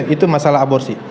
itu masalah aborsi